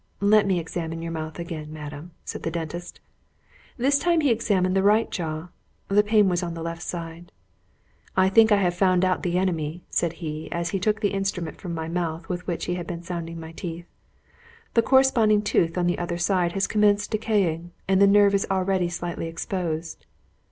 "Let me examine your mouth again, madam," said the dentist. This time he examined the right jaw the pain was on the left side. "I think I have found out the enemy," said he, as he took the instrument from my mouth with which he had been sounding my teeth. "The corresponding tooth on the other side has commenced decaying, and the nerve is already slightly exposed."